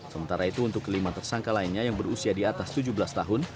sementara itu untuk kelima tersangka lainnya yang berusia di atas tujuh belas tahun